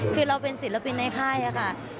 คือเราเป็นศิลปินในค่ายค่ะ